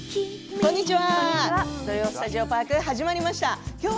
こんにちは。